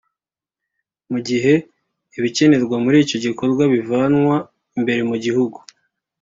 mu gihe ibikenerwa muri icyo gikorwa bivanwa imbere mu gihugu